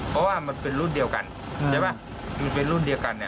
เพราะว่ามันเป็นรุ่นเดียวกันใช่ไหมมันเป็นรุ่นเดียวกันเนี่ย